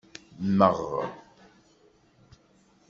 Mmeɣ.